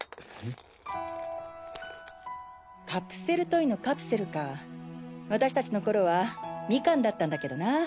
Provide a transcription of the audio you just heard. カプセルトイのカプセルか私達の頃はミカンだったんだけどな。